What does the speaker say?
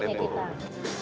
dan itu juga bisa